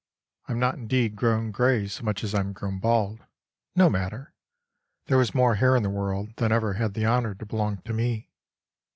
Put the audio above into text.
I am not indeed grown gray so much as I am grown bald. No matter. There was more hair in the world than ever had the honour to belong to me.